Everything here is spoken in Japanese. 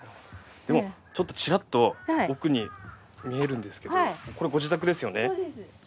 ちょっとちらっと奥に見えるんですけどこれご自宅ですよね？